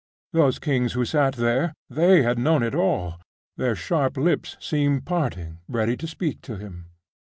Those kings who sat there, they had known it all; their sharp lips seem parting, ready to speak to him....